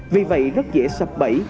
vì vậy rất dễ sập bẫy